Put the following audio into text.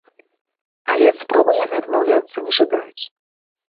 Але ад спробы яны адмаўляцца не жадаюць.